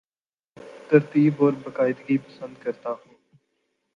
ترتیب اور باقاعدگی پسند کرتا ہوں